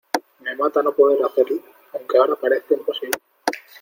me mata no poder hacerlo. aunque ahora parezca imposible